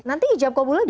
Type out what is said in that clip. nanti hijab kabul lagi